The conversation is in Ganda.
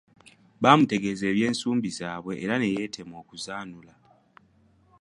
Baamutegeeza eby’ensumbi zaabwe era ne yeetema okuzanula.